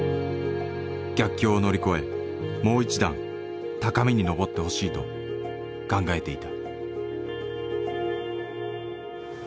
逆境を乗り越えもう一段高みに上ってほしいと考えていた。